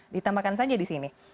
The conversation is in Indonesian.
ditambahkan saja di sini